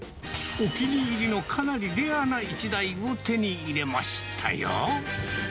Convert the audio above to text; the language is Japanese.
お気に入りのかなりレアな１台を手に入れましたよ。